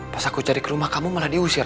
pas aku cari ke rumah kamu malah diusir